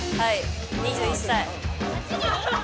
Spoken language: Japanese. ２１歳。